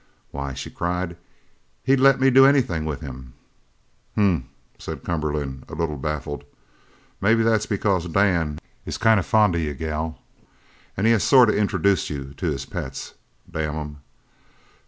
"Why," she cried, "he'll let me do anything with him!" "Humph!" said Cumberland, a little baffled; "maybe that's because Dan is kind of fond of you, gal, an' he has sort of introduced you to his pets, damn 'em!